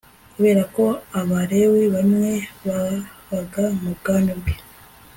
Kubera ko Abalewi bamwe babaga mu bwami bwe